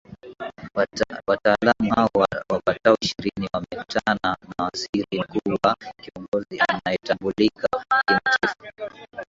wataalamu hao wapatao ishirini wamekutana na waziri mkuu wa kiongozi anaetambulika na kimataifa